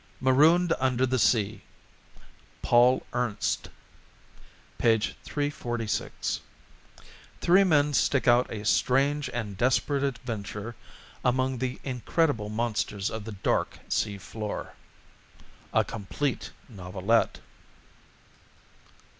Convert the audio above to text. _ MAROONED UNDER THE SEA PAUL ERNST 346 Three Men Stick Out a Strange and Desperate Adventure Among the Incredible Monsters of the Dark Sea Floor. (A Complete Novelette.)